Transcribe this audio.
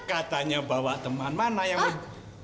katanya bawa teman mana yang